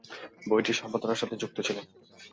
বইটি সম্পাদনার সাথে যুক্ত ছিলেন।